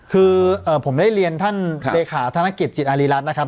คือเอ่อผมได้เรียนท่านครับเดคาธนกิจจิตอาริรัตน์นะครับ